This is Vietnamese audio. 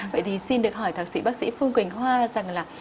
vậy thì xin được hỏi thạc sĩ bác sĩ phương quỳnh hoa rằng là